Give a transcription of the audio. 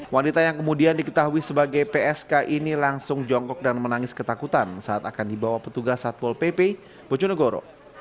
wanita yang kemudian diketahui sebagai psk ini langsung jongkok dan menangis ketakutan saat akan dibawa petugas satpol pp bojonegoro